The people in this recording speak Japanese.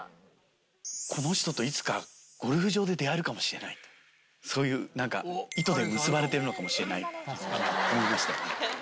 この人といつか、ゴルフ場で出会えるかもしれないと、そういう、なんか糸で結ばれてるのかもしれない、思いましたね。